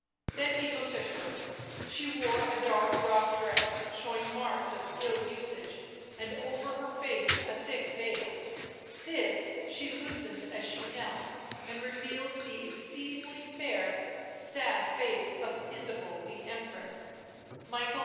Then he looked at her. She wore a dark rough dress showing marks of ill usage, and over her face a thick veil. This she loosened as she knelt, and revealed the exceedingly fair, sad face of Ysabeau the Empress. Michael II.